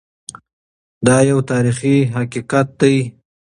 دا یو تاریخي حقیقت دی.